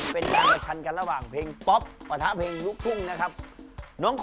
เป็นการกระชั่นกันระหว่างเพลงป๊อบและเพลงรุกทุ่ง